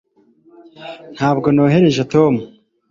ntabwo nohereje tom